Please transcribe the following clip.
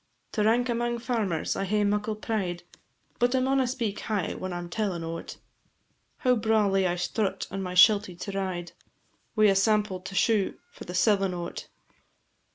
To rank amang farmers I hae muckle pride, But I mauna speak high when I 'm tellin' o't, How brawlie I strut on my shelty to ride, Wi' a sample to shew for the sellin' o't.